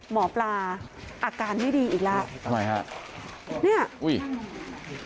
หมอปลาอาการไม่ดีอีกแล้วทำไมฮะเนี่ยอุ้ย